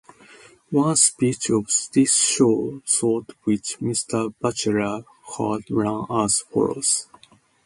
One speech of this sort which Mr. Batchelor heard ran as follows.